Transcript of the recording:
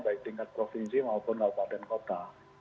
baik tingkat provinsi maupun daerah dan kota